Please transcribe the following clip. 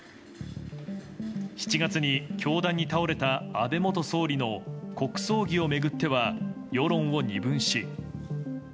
７月に凶弾に倒れた安倍元総理の国葬儀を巡っては世論を二分し。